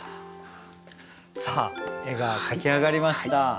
さあ絵が描き上がりました。